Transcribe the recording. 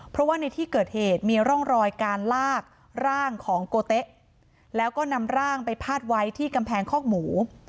เพราะว่าในที่เกิดเหตุมีร่องรอยการลากร่างของโกเต๊ะแล้วก็นำร่างไปพาดไว้ที่กำแพงคอกหมู